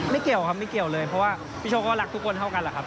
เกี่ยวครับไม่เกี่ยวเลยเพราะว่าพี่โชคก็รักทุกคนเท่ากันแหละครับ